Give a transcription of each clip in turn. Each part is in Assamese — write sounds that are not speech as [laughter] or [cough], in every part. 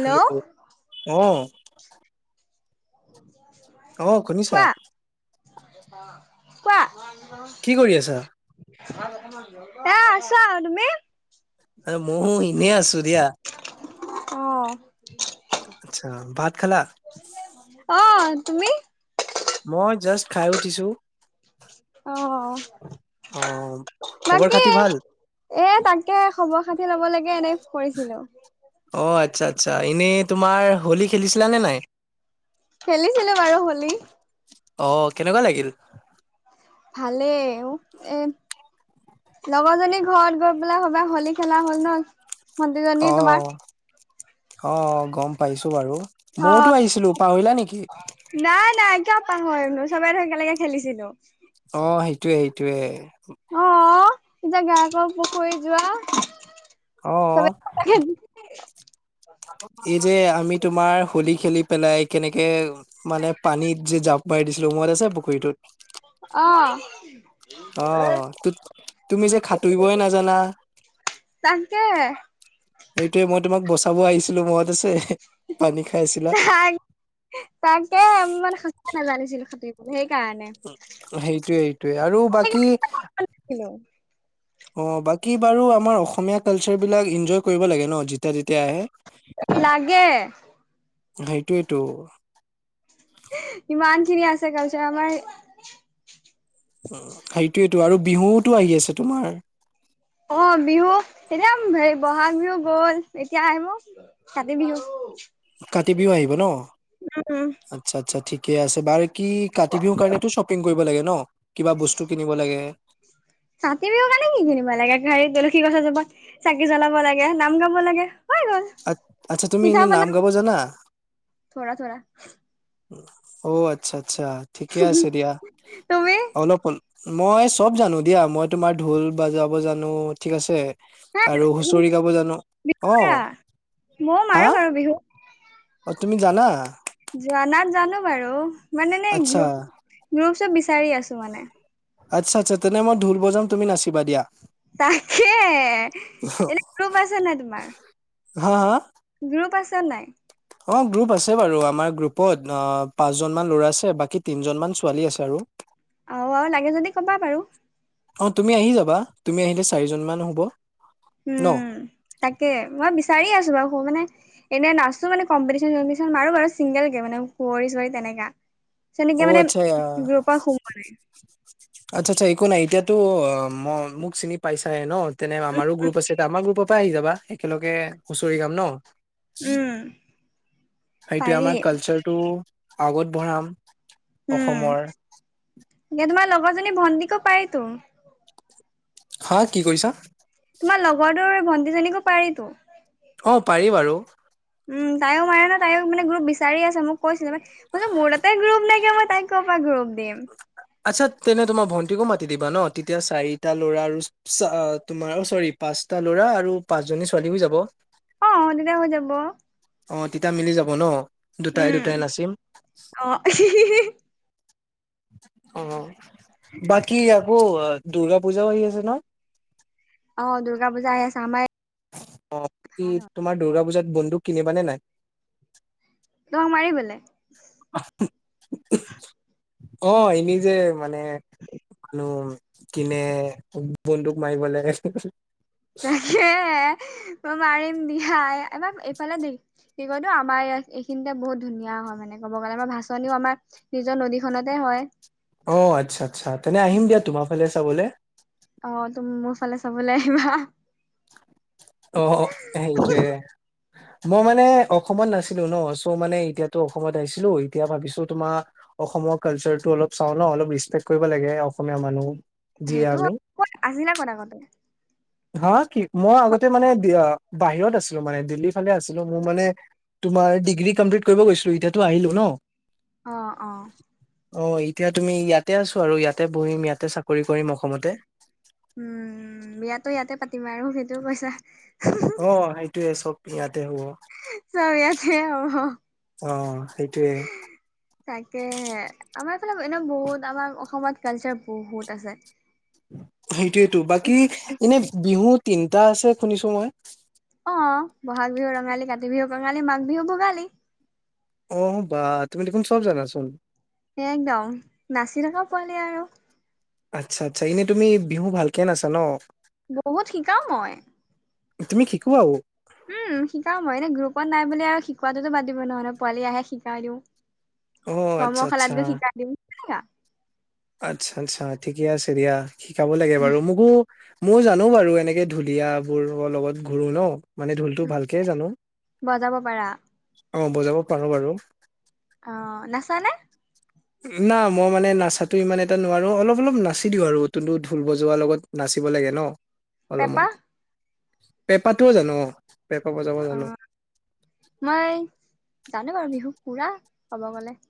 হেল্ল' অহ। অ', শুনিছা। কোৱা কোৱা? কি কৰি আছা এ আছা তুমি? আৰু ময়ো এনেই আছোঁ দিয়া। অহ। আচ্ছা ভাত খালা। অ', তুমি? মই জাষ্ট খাই উঠিছোঁ। অ', অ খবৰ বাকী খাতি ভাল এ তাকে খবৰ খাতি লব লাগে এনেই কৰিছিলোঁ। অ', আচ্ছা, আচ্ছা এনেই তোমাৰ হোলী খেলিছিলা নে নাই? খেলিছিলোঁ বাৰু হোলী অ', কেনেকুৱা লাগিল? ভালেই অ'এ লগৰজনী ঘৰত গৈ পেলাই সবাই হলী খেলা হ'ল ন। ভন্টিজনী তোমাৰ অ', অ', গম পাইছোঁ বাৰু অ মইতো আহিছিলো পাহৰিলা নেকি। নাই, নাই কিয় পাহৰিম চবেই তো একেলগে খেলিছিলোঁ। অ', সেইটোয়ে, সেইটোয়ে অ', অ', এতিয়া গা ক পুখুৰীত যোৱা অ চব [inaudible] এই যে আমি তোমাৰ হোলী খেলি পেলাই কেনেকে মানে পানীত যে জাপ মাৰি দিছিলো মনত আছে পুখুৰীটোত অ'। অ', তুত তুমি যে সাতুৰিবই নাজানা। তাকে। এইটোৱে মই তোমাক বচাব আহিছিলো মনত আছে পানী খাইছিলা। তাক তাকে ইমান সঁচা নেজানিছিলো সাতুৰিব সেইকাৰণে। সেইটোয়ে, সেইটোয়ে আৰু বাকী অ', বাকী বাৰু আমাৰ অসমীয়া কালচাৰ বিলাক ইনজয় কৰিব লাগে ন! তেওঁ যেতিয়া আহে। লাগে সেইটোৱেত'। ইমানখিনি আছে কালচাৰ আমাৰ। উ, সেইটোয়েতো, আৰু বিহুওতো আহি আছে তোমাৰ। অ', বিহু, এতিয়া হেৰি বহাগ বিহু গ'ল, এতিয়া আহিব কাতি বিহু। কাতি বিহু আহিব ন? উম, আচ্ছা, আচ্ছা ঠিকে আছে। বাৰু কি কাতি বিহু কাৰণটো শ্বপ পিং কৰিব লাগে ন? কিবা বস্তু কিনিব লাগে। কাতি বিহুৰ কাৰণে কি কিনিব লাগে? খালি তুলসী গছ এজোপাত চাকি জ্বলাব লাগে, নাম গাব লাগে। হৈ গ'ল আত, আচ্ছা তুমি এনে নাম গাব জানা? থৌৰা, থৌৰা। অ', আচ্ছা, আচ্ছা ঠিকে আছে দিয়া। তুমি অলপ মই চব জানো দিয়া। মই তোমাৰ ঢোল বাজাব জানো, ঠিক আছে। হা আৰু বিহু হুচৰি গাব জানো। মাৰা অ', ময়ো হা? মাৰো বাৰু বিহু। অ', তুমি জানা? জনাত জানো বাৰু। মানে এনেই আচ্ছা গ্ৰুপ, গ্ৰুপ চ্ৰুপ বিচাৰি আছোঁ মানে। আচ্ছা, আচ্ছা। তেনে মই ঢোল বজাম, তুমি নাচিবা দিয়া। তাকে, এনে গ্ৰুপ আছে নাই তোমাৰ? হা, আ, আ? গ্ৰুপ আছে নাই? অ', গ্ৰুপ আছে বাৰু আমাৰ গ্ৰুপত, অ', পাঁচজনমান ল'ৰা আছে, বাকী তিনজনমান ছোৱালী আছে আৰু আও, আৰু লাগে যদি ক'বা বাৰু। অ', তুমি আহি যাবা। তুমি আহিলে চাৰিজন মান হ'ব। উ, ন তাকে। মই বিচাৰি আছো বাৰু। সৌ মানে এনে নাচো মানে, কম্পিটিশ্যন চম্পিটিশ্যন মাৰো বাৰু। ছিংগেল কে মানে কুঁৱৰি চুঁৱৰি তেনেকা। অ তেনেকে মানে আচ্ছা আহ, গ্ৰুপত সোমোৱা নাই। আচ্ছা, আচ্ছা। একো নাই, এতিয়াতো অ', মো মোক চিনি পাইছাই ন? তেনে উম আমাৰো গ্ৰুপ আছে, আমাৰ গ্ৰুপৰ পৰাই আহি যাবা। একেলগে হুঁচৰি গাম ন? উ। সেইটোয়ে আমাৰ কালচাৰটো আগত বঢ়াম। উ, অসমৰ। এতিয়া তোমাৰ লগৰজনী ভণ্টিকো পাৰিটো। হা কি কৈছা? তোমাৰ লগৰটোৰ ভন্টিজনীকো পাৰিটো। অ', পাৰি বাৰু। উম, তাইও মাৰে নহয়, তাইও মানে গ্ৰুপ বিচাৰিয়ে আছে। মোক কৈছিলে মানে। মই কৈছোঁ মোৰ তাতে গ্ৰপ নাইকিয়া, মই তাইক ক'ৰ পা গ্ৰুপ দিম? আচ্ছা, তেন্তে তোমাৰ ভন্টিকো মাতি দিবা ন? তেতিয়া চাৰিটা ল'ৰা আৰু চা তোমাৰ অ' চৰি। পাঁচটা ল'ৰা আৰু পাঁচ জনী ছোৱালী হৈ যাব। অ', তেতিয়া হৈ যাব। অ', তেতিয়া মিলি যাব ন? দুটাই উম দুটাই নাচিম। অ'। অ', বাকী আকৌ এ, দুৰ্গা পূজাও আহি আছে নহয়? অ', দুৰ্গা পূজা আহি আছে। আমাৰ অ', কি ভাল হয় তোমাৰ দুৰ্গা পূজাত বন্দুক কিনিবানে নাই? তোমাক মাৰিবলে? অঁ এনেই যে- মানে মানুহ কিনে বন্দুক মাৰিবলে এহহ- তাকে, মই মাৰিম দিয়া। এবাৰ এইফালে দি- কি কয় নো আমাৰ ইয়াত এইখিনিতে বহুত ধুনীয়া হয় মানে ক'ব গ'লে আমাৰ ভাচনিও আমাৰ- নিজৰ নদীখনতে হয়ঁ। অঁ আচ্ছা, আচ্ছা। তেনে আহিম দিয়া তোমাৰ ফালে চাবলে। অঁ তুম মোৰ ফালে চাবলে আহিবা। অ'হ সেইটোৱে। মই মানে অসমত নাছিলোঁ ন। চৌ মানে এতিয়াতো অসমত আহিছিলো এতিয়া ভাবিছোঁ তোমাক- অসমৰ কালছাটো অলপ চাওঁ ন অলপ ৰিচপেক্ট কৰিব লাগে অসমীয়া মানুহ। যিয়ে সেইটোত আমি ক'ত আজি না কাকতে। হা কি মই আগতে মানে বাহিৰত আছিলোঁ মানে দিল্লীত - ফালে আছিলোঁ মোৰ মানে তোমাৰ ডিগ্ৰী কমপ্লিট কৰিব গৈছিলো এতিয়াতো আহিলো ন। অঁ অঁ। অঁ এতিয়া তুমি ইয়াতে আছোঁ আৰু ইয়াতে পঢ়িম ইয়াতে চাকৰি কৰিম অসমতে- উমঁ বিয়াতো ইয়াতে পাতিম আৰু সেইটো কৈছা। অঁ সেইটোয়ে চব ইয়াতে হ'ব। চ'ব ইয়াতেই হ'ব। অঁ সেইটোৱে। তাকে হে। আমাৰ ফালে এনে বহুত আমাৰ অসমত কালচাৰ বহুত আছে। সেইটোয়েতটো বাকী এনে বিহু তিনটা আছে শুনিছোঁ মই- অঁ বহাগ বিহু ৰঙালী কাতি বিহুক কঙালী মাঘ বিহু ভোগালী। অঁ বাহ তুমি দেখোন চব জানাচোন। একদম নাচি থকা পোৱালি আৰু। আচ্ছা আচ্ছা এনেই তুমি বিহু ভালকে নাচা ন। বহুত শিকাও মই। তুমি শিকোয়াও। উমঁ' শিকাও মই এনেই গ্ৰুপত নাই বুলি আৰু শিকোৱাতটোতো বাদ দিব নোৱাৰি নহয় পোৱালি আহে শিকাই দিওঁ। অ' আচ্ছা কমখালাত আচ্ছা। গৈ শিকাই দিওঁ তেনেকা। আচ্ছা আচ্ছা ঠিকে আছে দিয়া শিকাব লাগে বাৰু মোকো- মও জানোঁ বাৰু এনেকে ঢুলীয় বোৰ লগত ঘূৰো ন। মানে ঢোলটো ভালকে জানোঁ। বজাব পাৰা? অঁ বজাব পাৰোঁ বাৰু। অঁ নাচানে? না মই মানে নাচাতো ইমান এটা নোৱাৰো অলপ- অলপ নাচি দিওঁ আৰু টো ঢোল বজোৱাৰ লগত। নাচিব লাগে ন। অলপমান পেঁপা পেঁপাটোও জানো অঁ পেঁপা বজাব অ জানোঁ। মই জানোঁ বাৰু বিহু পুৰা ক'ব গলে।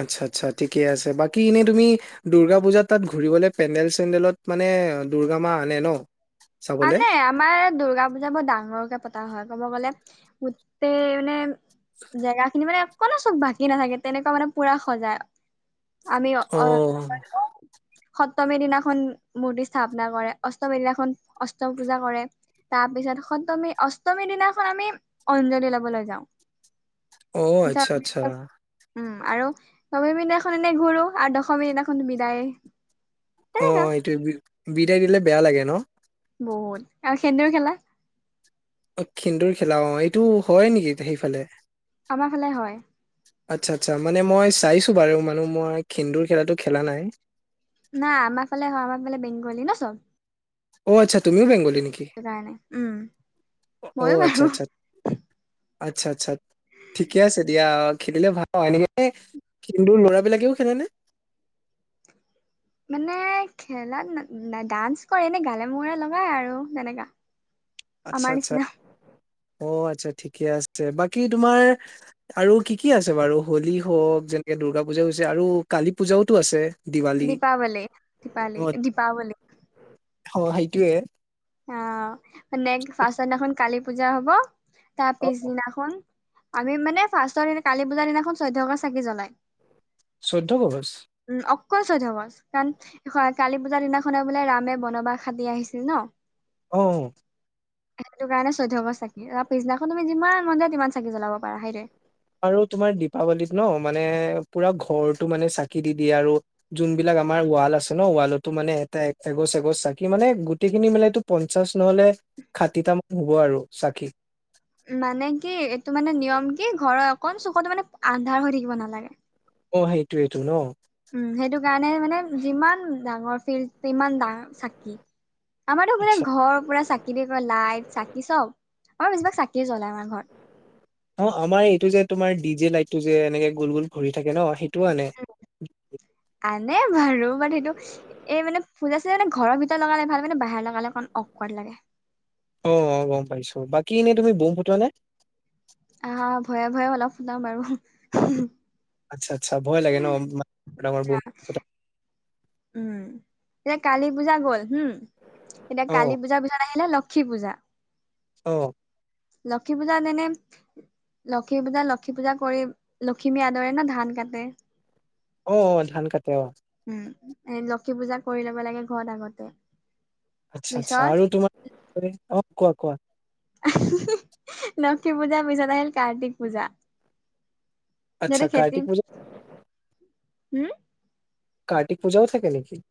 আচ্ছা আচ্ছা ঠিকে আছে বাকী এনেই তুমি- দূৰ্গা পূজাত তাত ঘূৰিবলে পেণ্ডেল চেণ্ডেলত মানে দুৰ্গা মা আনে ন। চাবলে? আনে আমাৰ দুৰ্গা পূজা বৰ ডাঙৰকে পতা হয় ক'ব গ'লে গোটেই মানে- জেগা খিনি মানে অকনো চ'ব বাকী নাথাকে তেনেকুৱা মানে পুৰা সজাই। আমি অ' অ'- সপ্তমীৰ দিনাখন মূৰ্তি স্থাপনা কৰে। অষ্টমীৰ দিনাখন অষ্টমী পূজা কৰে। তাৰ পিছত সপ্তমী অষ্টমীৰ দিনাখন আমি অঞ্জলি লবলৈ যাওঁ। অ', আচ্ছা, আচ্ছা। পিচত উম' আৰু নৱমী দিনাখন এনেই ঘূৰো আৰু দশমী দিনাখন বিদায়। তেনেকা অ' এইটো বিদাই দিলে বেয়া লাগে ন। বহুত আৰু সেন্দুৰ খেলাত। অ' খেন্দুৰ খেলাত অ' এইটো হয় নেকি সেইফালে। আমাৰ ফালে হয়। আচ্ছা আচ্ছা মানে মই চাইছোঁ বাৰু মানে মই সেন্দুৰ খেলাটো খেলা নাই। নাই আমাৰ ফালে হয় আমাৰ ফালে বেংগলী ন চ'ব। অ' আচ্ছা তুমিও বেংগলী নেকি সেইটো কাৰণে উম অ ময়ো আচ্ছা বাৰু আচ্ছা। আচ্ছা আচ্ছা। ঠিকে আছে দিয়া খেলিলে ভাল [unintelligible] লৰাবিলাকেও খেলে নে? মানে খেলাত ডান্স কৰে এনে গালে মুখে লগাই আৰু তেনেকা। [inaudible] আচ্ছা আচ্ছা, নিচিনা অ আচ্ছা ঠিকে আছে বাকী তোমাৰ আৰু কি কি আছে বাৰু হোলী হওক যেনেকে দুূৰ্গা পূজাও হৈছে আৰু কালী পূজাওতো আছে। দিৱালী দীপাৱলী, দিপালি অ দীপাৱলী। অ সেইটোৱে। অ', মানে ফাৰ্ষ্টৰ দিনাখন কালী পূজা হব, তাৰ অ পিছদিনাখন আমি মানে ফাষ্টৰ দিনা কালি পূজা দিনাখন চৈধ্য গচ চাকি জ্বলায়। চৈধ্য গচ। উম অকল চৈধ্য গচ, কাৰণ কালী পূজাৰ দিনাখনে বোলে ৰামে বনবাস খাটি আহিছিল ন। অ। সেইটো কাৰণে চৈধ্য গচ চাকি, আৰু পিছদিনাখন তুমি যিমান মন যায় তিমান চাকি জ্বলাব পাৰা সেইটোৱে। আৰু তোমাৰ দীপাৱলীত ন মানে পুৰা ঘৰটো মানে চাকি দি দিয়ে আৰু জোনবিলাক আমাৰ ৱাল আছে ন ৱালতো মানে এটা এগছ এগছ চাকি মানে গোটেইখিনি মিলাইতো পঞ্চাশ নহলে, ষাঠিটামান হব আৰু চাকি। মানে কি এইটো মানে নিয়ম কি ঘৰৰ অকণ চুকতো মানে আন্ধাৰ হৈ থাকিব নালাগে। অ সেইটোৱেতো ন। উ সেইটো কাৰণে মানে যিমান ডাঙৰ ফিল্ড তিমান ডা চাকি। আমাৰতো পূৰা আচ্ছা ঘৰ পূৰা চাকিদি কৰে লাইট চাকি চব, আমাৰ বেছিভাগ চাকিয়ে জ্বলাই আমাৰ ঘৰত। অ' আমাৰ এইটো যে তোমাৰ ডি জে লাইট টো যে এনেকে গোল গোল ঘূৰি থাকে ন সেইটোও আনে। আনে বাৰু মানে সেইটো এ মানে পূজা চূজাত মানে ঘৰৰ ভিতৰত লগালে ভাল মানে বাহিৰত লগালে অকন অক'ৱাৰ্ড লাগে। অ' অ' গম পাইছোঁ, বাকী এনে তুমি ব'ম ফুটোৱা নে? অ' ভয়ে ভয়ে অলপ ফুটাও বাৰু। আচ্ছা আচ্ছা ভয় লাগে ন [unintelligible] উম, এতিয়া কালি পূজা গল হুম, এতিয়া কালি অ পূজাৰ পিছত আহিলে ল ক্ষী পূজা। অ। লক্ষ্মী পূজাত এনে লক্ষ্মী পূজাত লক্ষী পূজা কৰি, লক্ষিমী আদৰে ন ধান কাটে। অ' অ' ধান কাটে অ'। উম, এ লক্ষী পূজা কৰি ল'ব লাগে ঘৰত আগতে। আচ্ছা আচ্ছা পিছত আৰু তোমাৰ, [unintelligible] অ' কোৱা কোৱা। [inaudible] লক্ষী পূজাৰ পিছত আহিল কাৰ্তিক পূজা। আচ্ছা যদি কাৰ্তিক খেটিন পূজা [inaudible] কাৰ্তিক পূজাও থাকে নেকি?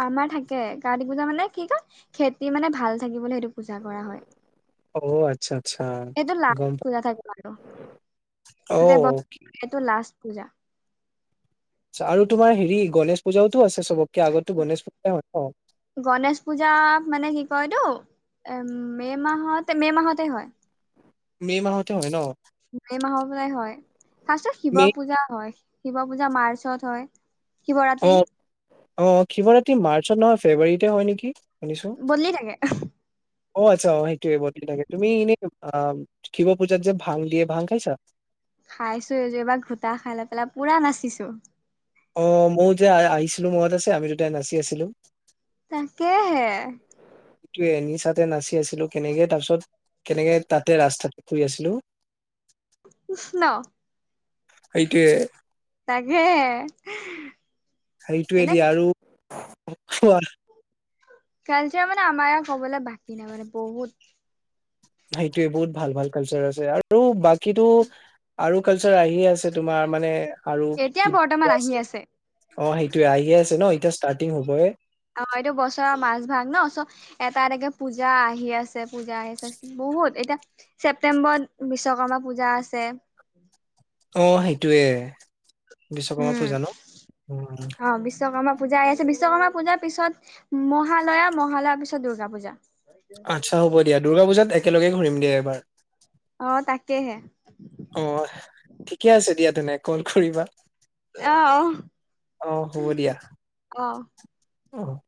আমাৰ থাকে, কাৰ্তি পূজা মানে কি কয় খেতি মানে ভাল থাকিবলৈ পূজা কৰা হয়, অ আচ্ছা আচ্ছা গম পা এইটো [inaudible] অ'। সেইটো লাষ্ট পূজা। আচ্ছা আৰু তোমাৰ হেৰি গণেশ পূজাওতো আছে চবতকে আগতো গণেশ পূজা হয় ন? গনেশ পূজা মানে কি কয়টো, এ মে' মাহত মে' মাহতে হয়। মে' মাহতে হয় ন? মে' মাহৰ পৰাই হয়, ফাৰ্ষ্টত শিৱ মে পূজা হয়, শিৱ পূজা মাৰ্চত হয়। অ', শিৱৰাতি অ' শিৱৰাত্ৰি মাৰ্চত নহয় ফেব্ৰুৱাৰীতে হয় নেকি, শুনিছোঁ। বদলি থাকে, আহ। অ' আচ্ছা অ' সেইটোৱে বদলি থাকে, তুমি এনে অ' শিৱ পূজাত যে ভাং দিয়ে, ভাং খাইছা? খাইছোঁ, এইযোৰ এইবাৰ ঘোটা খাই লৈ পেলায় পোৰা নাচিছোঁ। অ' ময়ো যে আ আহিছিলো মনত আছে আমি দুটাই নাচি আছিলোঁ। তাকেহে। টোৱে নিচাঁতে নাচি আছিলোঁ কেনেকে, তাৰ পিছত কেনেকে তাতে ৰাস্তাত শুই আছিলোঁ। উফ ন সেইটোৱে তাকেহে। সেইটোৱে এনে দিয়া আৰু [inaudible] কালচাৰ মানে আমাৰ ইয়াত ক'বলৈ বাকী নাই মানে বহুত সেইটোয়েই, বহুত ভাল ভাল কালচাৰ আছে আৰু বাকীটো আৰু কালচাৰ আহি আছে তোমাৰ মানে আৰু এতিয়া বৰ্তমান কিবা আহি আছে অ' সেইটোয়েই আহিয়েই আছে ন, এতিয়া ষ্টাৰ্টিং হ'বহে। অ' এইটো বছৰৰ মাজভাগ ন, চ এটা এটাকে পূজা আহি আছে, পূজা আহি আছে বহুত, এতিয়া ছেপ্টেম্বৰত বিশ্বকৰ্মা পূজা আছে অ' সেইটোৱেই। উম, উম অ' বিছ বিশ্বকৰ্মা পূজা আহি আছে, বিশ্বকৰ্মা পূজাৰ পিছত মহালয়া, মহালয়াৰ পিছত দুৰ্গা পূজা। আচ্ছা হ'ব দিয়া, দুৰ্গা পূজাত একেলগে ঘূৰিম দিয়া এইবাৰ। অ' তাকেহে। অ' ঠিকেই আছে দিয়া তেনে কল কৰিবা। অ অ' হ'ব দিয়া, অ অ অহ।